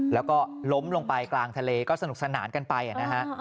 แล้วก็ล้มลงไปกลางทะเลก็สนุกสนานกันไปนะฮะ